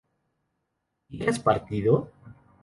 ¿hubieras partido?